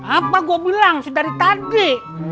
apa gue bilang dari tadi